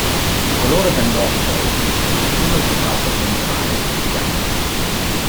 Il colore del dorso è grigio e quello del lato ventrale più chiaro.